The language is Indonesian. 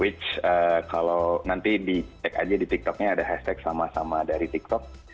which kalau nanti dicek aja di tiktoknya ada hashtag sama sama dari tiktok